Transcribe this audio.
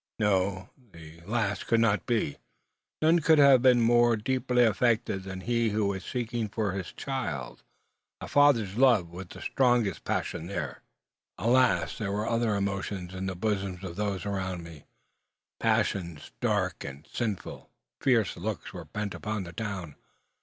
No; the last could not be. None could have been more deeply affected than he who was seeking for his child. A father's love was the strongest passion there. Alas! there were other emotions in the bosoms of those around me, passions dark and sinful. Fierce looks were bent upon the town.